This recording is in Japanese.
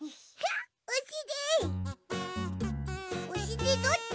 おしりどっち？